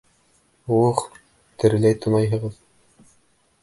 Ух, тереләй тунайһығыҙ!